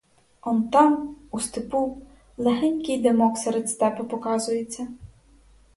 Он там, у степу, легенький димок серед степу показується.